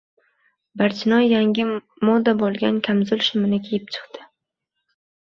Barchinoy yangi moda bo‘lgan kamzul-shimini kiyib chiqdi.